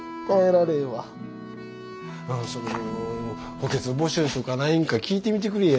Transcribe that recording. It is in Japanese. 補欠募集とかないんか聞いてみてくれや。